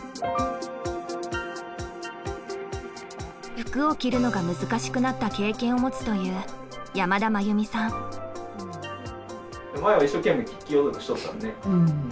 服を着るのが難しくなった経験を持つという前は一生懸命着ようとしてたもんね。